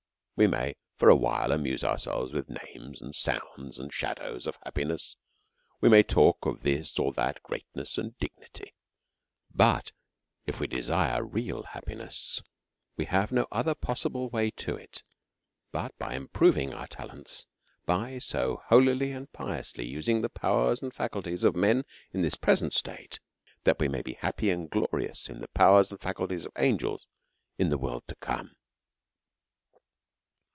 We may for awhile amuse ourselves with names, and sounds, and sliadows of happiness ; we may talk of this or that greatness and dignity ; but if we desire real happiness, we have no other possible way to it but by improving our talents by so holily and piously using the powers and faculties of men in this present state, that we may be happy and glorious in the powers and faculties of angels in the world to come.